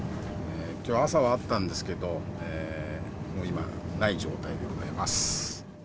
きょう朝はあったんですけど、もう今、ない状態でございます。